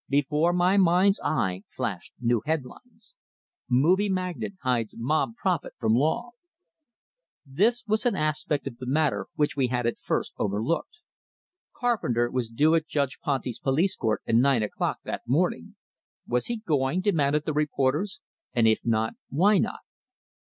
Before my mind's eye flashed new headlines: MOVIE MAGNATE HIDES MOB PROPHET FROM LAW This was an aspect of the matter which we had at first overlooked. Carpenter was due at Judge Ponty's police court at nine o'clock that morning. Was he going? demanded the reporters, and if not, why not?